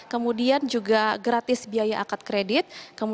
kemudian juga gratis biaya akar kredit